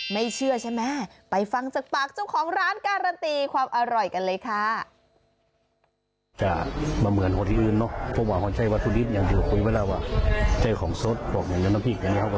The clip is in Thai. ไม่เชื่อใช่ไหมไปฟังจากปากเจ้าของร้านการันตีความอร่อยกันเลยค่ะ